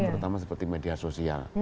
terutama seperti media sosial